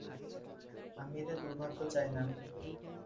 আমি এতে দুর্ভাগ্য চাই না।